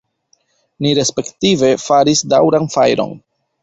Ni respektive faris daŭran fajron.